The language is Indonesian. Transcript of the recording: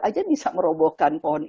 aja bisa merobohkan pohon